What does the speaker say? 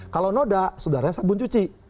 kalau noda saudara sabun cuci